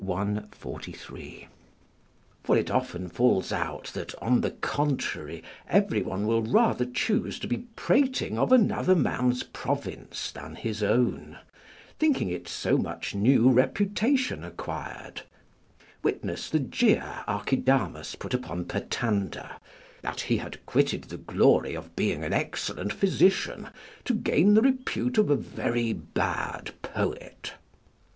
i, 43] For it often falls out that, on the contrary, every one will rather choose to be prating of another man's province than his own, thinking it so much new reputation acquired; witness the jeer Archidamus put upon Pertander, "that he had quitted the glory of being an excellent physician to gain the repute of a very bad poet.